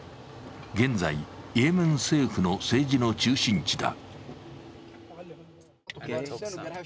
現在、イエメン政府の政治の中心地だ。